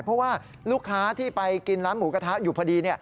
เพราะว่าลูกค้าที่ไปกินร้านหมูกระทะอยู่พอดี